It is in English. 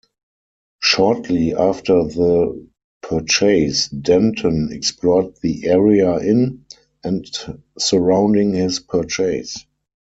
Shortly after the purchase, Denton explored the area in and surrounding his purchase.